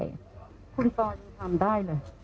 ส่วนคุณปอจะทำได้เลย